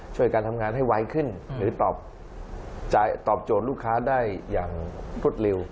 การทำงานให้ไวขึ้นหรือตอบโจทย์ลูกค้าได้อย่างรวดเร็ว